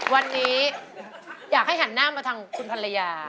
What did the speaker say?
วันนี้อยากให้หันหน้ามาทางคุณภรรยา